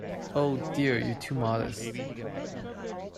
Oh, dear, you are too modest.